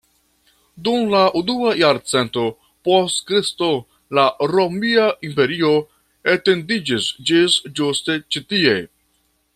Dum la unua jarcento post Kristo la romia imperio etendiĝis ĝis ĝuste ĉi tie.